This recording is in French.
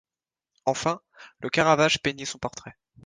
Enfin, Le Caravage peignit son portrait.